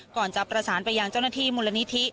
ก่อนจะประสานไปยังเจ้าหน้าที่มูลนิธิ